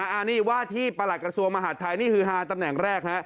อันนี้ว่าที่ประหลัดกระทรวงมหาดไทยนี่คือฮาตำแหน่งแรกฮะ